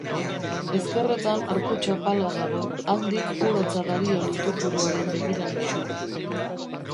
Ezkerretan arku txapala dago, handik ur hotza darion iturburuaren begirale xume.